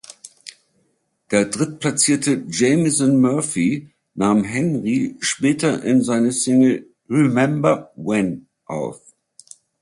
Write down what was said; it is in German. Der Drittplatzierte Jamison Murphy nahm Henry später in seine Single "Remember When" auf.